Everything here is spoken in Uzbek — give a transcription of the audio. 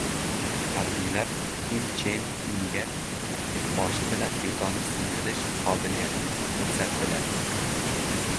Harbiylar Kim Chen Inga boshi bilan betonni sindirish qobiliyatini ko‘rsatdilar